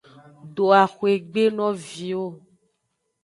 Do axwegbe no viwo.